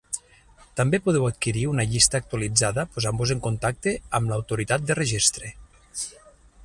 També podeu adquirir una llista actualitzada posant-vos en contacte amb l'autoritat de registre.